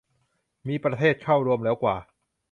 มีประเทศเข้าร่วมแล้วกว่า